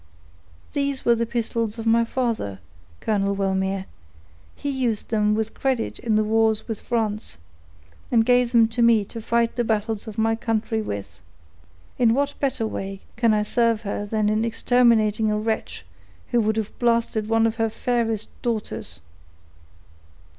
These were the pistols of my father, Colonel Wellmere; he used them with credit in the wars with France, and gave them to me to fight the battles of my country with. In what better way can I serve her than in exterminating a wretch who would have blasted one of her fairest daughters?"